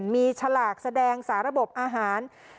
มีฉลากแสดงสาระบบอาหาร